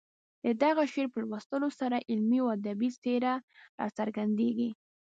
د دغه شعر په لوستلو سره علمي او ادبي څېره راڅرګندېږي.